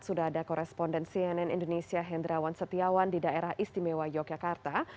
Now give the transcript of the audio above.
sudah ada koresponden cnn indonesia hendrawan setiawan di daerah istimewa yogyakarta